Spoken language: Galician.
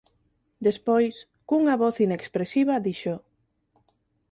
Despois, cunha voz inexpresiva, dixo: